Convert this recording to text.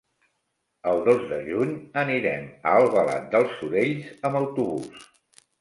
El dos de juny anirem a Albalat dels Sorells amb autobús.